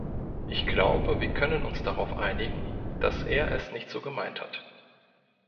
Ich glaube wir können uns darauf einigen, dass er es nicht so gemeint hat.